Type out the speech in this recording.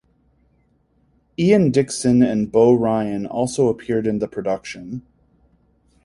Ian Dickson and Beau Ryan also appeared in the production.